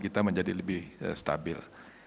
kita menjadi lebih stabil